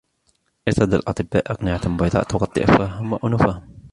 ارتدى الأطباء أقنعة بيضاء تغطي أفواههم و أنوفهم.